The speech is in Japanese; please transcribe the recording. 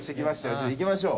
じゃあ行きましょう。